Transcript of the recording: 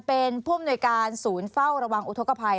เป็นผู้อำนวยการศูนย์เฝ้าระวังอุทธกภัย